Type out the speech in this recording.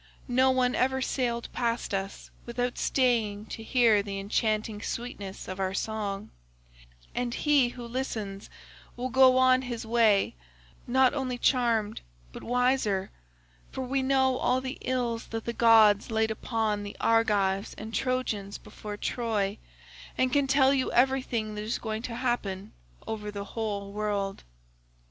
No one ever sailed past us without staying to hear the enchanting sweetness of our song—and he who listens will go on his way not only charmed, but wiser, for we know all the ills that the gods laid upon the Argives and Trojans before Troy, and can tell you everything that is going to happen over the whole world.